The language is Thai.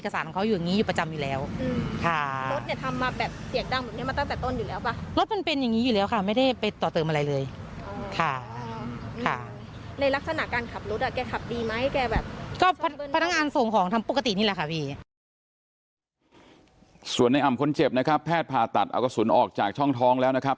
ส่วนในอ่ำคนเจ็บนะครับแพทย์ผ่าตัดเอากระสุนออกจากช่องท้องแล้วนะครับ